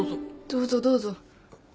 どうぞどうぞ。